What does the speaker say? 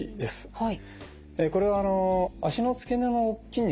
はい。